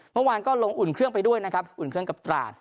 เมื่อวานก็ลงอุ่นเครื่องไปด้วยนะครับอุ่นเครื่องกับตราด